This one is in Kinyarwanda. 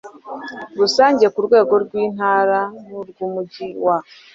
rusange ku rwego rw Intara n urw Umujyi wa